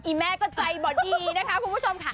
แม่ก็ใจบ่ดีนะคะคุณผู้ชมค่ะ